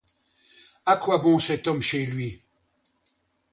À quoi bon cet homme chez lui?